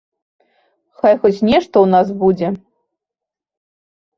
Хай хоць нешта ў нас будзе!